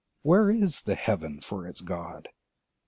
Where is the Heaven for its God?